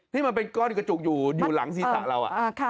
ที่มันเป็นก้อนกระจุกอยู่หลังศีรษะเรา